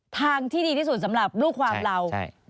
ทางที่ดีที่สุดสำหรับลูกความเรา